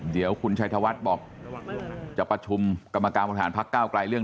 เดี๋ยวคุณชัยทวัฒน์บอกจะประชุมกรรมกราศาสตร์ภาคเก้ากลายเรื่อง